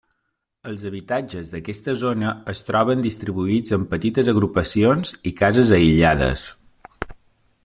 Els habitatges d'aquesta zona es troben distribuïts en petites agrupacions i cases aïllades.